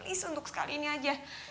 ma please untuk sekali ini aja